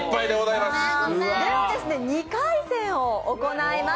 ２回戦を行います